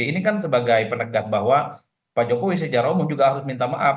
ini kan sebagai penegak bahwa pak jokowi secara umum juga harus minta maaf